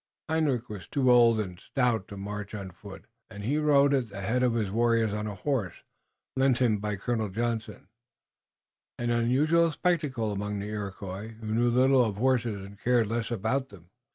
Hendrik was too old and stout to march on foot, and he rode at the head of his warriors on a horse, lent him by Colonel Johnson, an unusual spectacle among the Iroquois, who knew little of horses, and cared less about them.